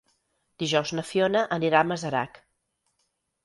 Dijous na Fiona anirà a Masarac.